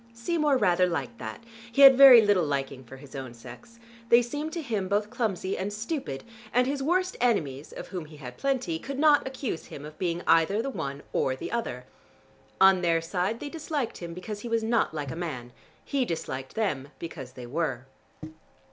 Seymour rather liked that: he had very little liking for his own sex. They seemed to him both clumsy and stupid, and his worst enemies (of whom he had plenty) could not accuse him of being either the one or the other. On their side they disliked him because he was not like a man: he disliked them because they were.